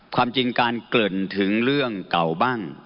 ความจริงการเกริ่นถึงเรื่องเก่าบ้าง